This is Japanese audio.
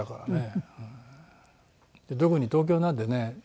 特に東京なのでね。